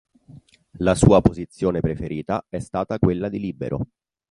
La sua posizione preferita è stata quella di libero.